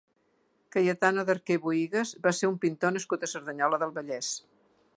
Cayetano de Arquer Buigas va ser un pintor nascut a Cerdanyola del Vallès.